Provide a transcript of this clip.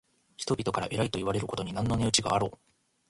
人々から偉いといわれることに何の値打ちがあろう。